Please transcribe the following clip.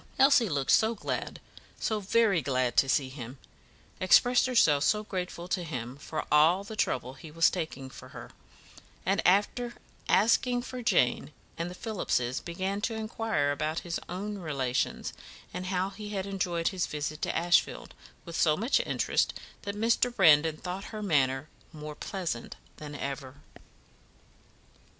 Elsie looked so glad, so very glad to see him; expressed herself so grateful to him for all the trouble he was taking for her; and after asking for Jane and the Phillipses, began to inquire about his own relations, and how he had enjoyed his visit to Ashfield, with so much interest, that Mr. Brandon thought her manner more pleasant than ever.